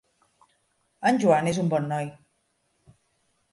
En Joan és un bon noi.